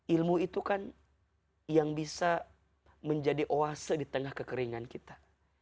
ilmu itu kan yang bisa menjadi oase di tengah kekeringan kita